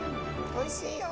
おいしいよ。